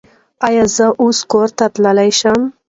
ایا زه اوس کور ته تلی شم؟